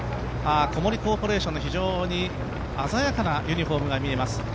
小森コーポレーションの非常に鮮やかなユニフォームが見えます。